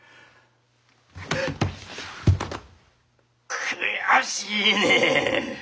悔しいねえ。